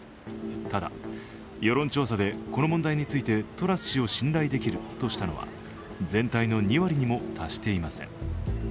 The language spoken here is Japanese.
ただ、世論調査でこの問題についてトラス氏を信頼できるとしたのは全体の２割にも達していません。